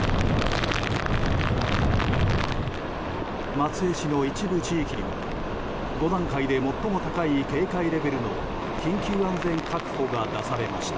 松江市の一部地域には５段階で最も高い警戒レベルの緊急安全確保が出されました。